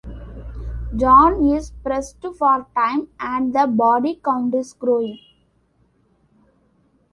Jon is pressed for time and the body count is growing.